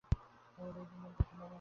গেল দুই দিন ধরে প্রচণ্ড ব্যথা।